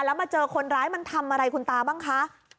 แล้วมาเจอคนร้ายมันทำอะไรคุณตาบ้างคะ